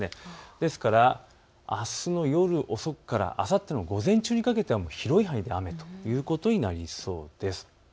ですから、あすの夜遅くからあさっての午前中にかけては広い範囲で雨ということになりそうです。